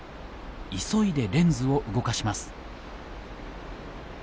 急いでレンズを動かします。